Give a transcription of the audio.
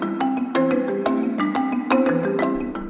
พระอิริยาบทประทับไขว้พระชง